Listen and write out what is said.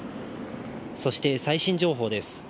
そして最新情報です。